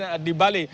yang di bali